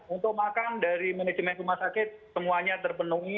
untuk makan dari manajemen rumah sakit semuanya terpenuhi